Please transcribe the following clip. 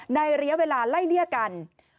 ระยะเวลาไล่เลี่ยกัน